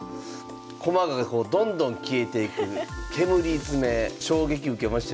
駒がどんどん消えていく煙詰衝撃受けましたよね。